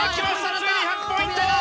ついに１００ポイント！